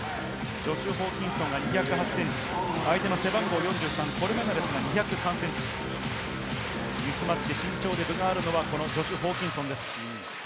ジョシュ・ホーキンソンが２０８センチ、コルメナレスが２０３センチ、ミスマッチ、身長で分があるのはこのジョシュ・ホーキンソンです。